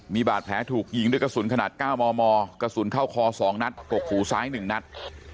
มีบาดแผลถูกยิงด้วยกระสุนขนาด๙มมกระสุนเข้าคอ๒นัดกกหูซ้าย๑นัด